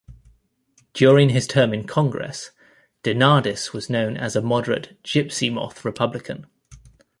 During his term in Congress DeNardis was known as a moderate "Gypsy Moth" Republican.